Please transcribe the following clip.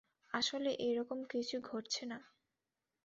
আসলে এ-রকম কিছু ঘটছে না।